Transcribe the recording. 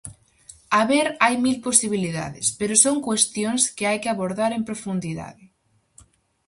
Haber hai mil posibilidades, pero son cuestións que hai que abordar en profundidade.